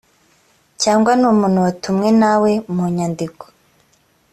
cyangwa n umuntu watumwe na we mu nyandiko